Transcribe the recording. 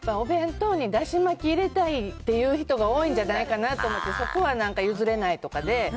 やっぱお弁当にだし巻き入れたいっていう人、多いんじゃないかなと思って、そこはなんか譲れない。